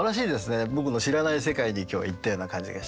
僕の知らない世界に今日は行ったような感じがして。